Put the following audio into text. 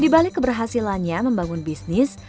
di balik keberhasilannya membangun bisnis